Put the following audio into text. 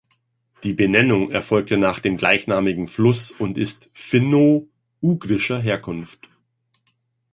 Die Benennung erfolgte nach dem gleichnamigen Fluss und ist finno-ugrischer Herkunft.